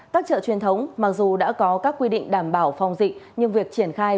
các chợ truyền thống mặc dù đã có các quy định đảm bảo phòng dịch nhưng việc triển khai